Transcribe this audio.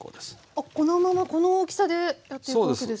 あっこのままこの大きさでやっていくわけですね。